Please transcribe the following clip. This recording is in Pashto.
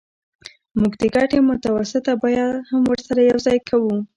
موږ د ګټې متوسطه بیه هم ورسره یوځای کوو